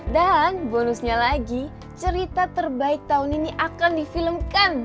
dan bonusnya lagi cerita terbaik tahun ini akan difilmkan